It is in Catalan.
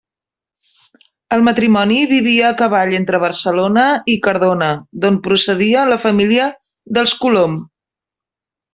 El matrimoni vivia a cavall entre Barcelona i Cardona, d’on procedia la família dels Colom.